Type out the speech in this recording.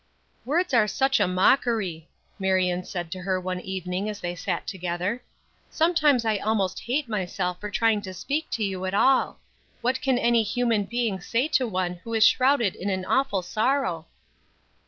"Words are such a mockery," Marion said to her one evening, as they sat together. "Sometimes I almost hate myself for trying to speak to you at all. What can any human being say to one who is shrouded in an awful sorrow?"